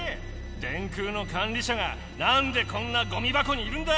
電空のかん理しゃがなんでこんなゴミばこにいるんだ！